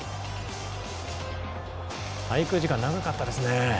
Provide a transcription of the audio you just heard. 滞空時間長かったですね。